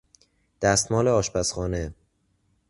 دستمال آشپزخانه